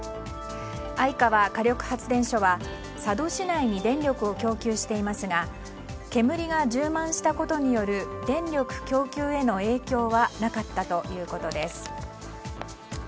相川火力発電所は佐渡市内に電力を供給していますが煙が充満したことによる電力供給への影響はなかったということです。